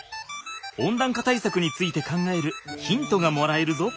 温暖化対策について考えるヒントがもらえるぞ。